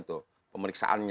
itu agak menyusupi agus ini